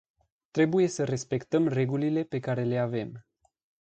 Trebuie să respectăm regulile pe care le avem.